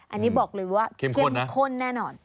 อันนี้บอกเลยว่าเข้มข้นแน่นอน